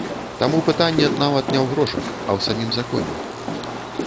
Таму пытанне нават не ў грошах, а ў самім законе.